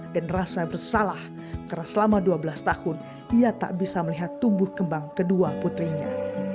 dan rasa bersalah karena selama dua belas tahun ia tak bisa melihat tumbuh kembang kedua putrinya